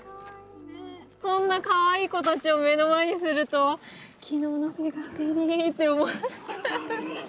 こんなかわいい子たちを目の前にすると昨日のフィガテリって思う。